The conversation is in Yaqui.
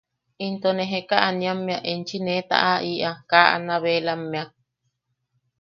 Into ne Jeka Aniamme enchi ne taʼaʼiʼa kaa Anabelammea.